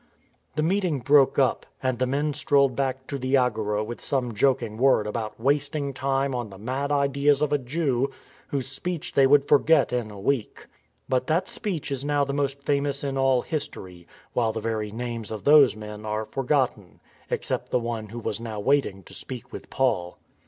The meeting broke up, and the men strolled back to the Agora with some joking word about wasting time on the mad ideas of a Jew whose speech they would forget in a week. But that speech is now the most famous in all history — while the very names of those men are forgotten, except the one who was now wait ing to speak with Paul.